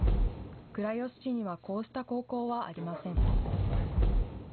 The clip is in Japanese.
倉吉市にはこうした高校はありません。